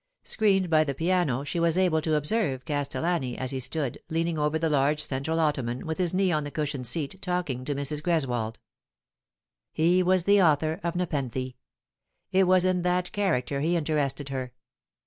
Screened by the piano, she was able to observe Castellani, as he stood, leaning over the large central ottoman, with his knee on the cushioned seat, talking to Mrs. Greswold. He was the author of Nepenthe. It was in that character he interested her.